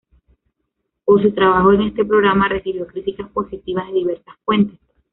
Por su trabajo en este programa recibió críticas positivas de diversas fuentes.